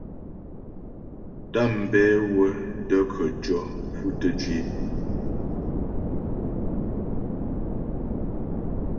Tàmbɛ wə də́ khətʉɔ̌ fʉtəm jwǐ é.